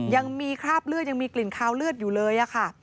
ยังมีคราบเลือดยังมีกลิ่นคาวเลือดอยู่เลยค่ะ